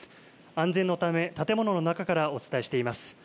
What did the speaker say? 安全のため建物の中からお伝えしています。